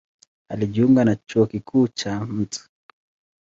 Alijiunga na Chuo Kikuu cha Mt.